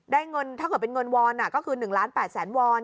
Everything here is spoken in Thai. ได้เงินถ้าเกิดเป็นเงินวอนน่ะก็คือ๑๘ล้านวอน